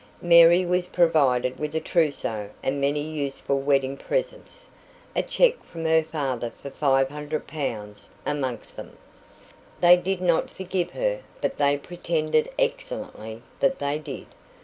Mary was provided with a trousseau and many useful wedding presents, a cheque from her father for 500 pounds amongst them. They did not forgive her, but they pretended excellently that they did.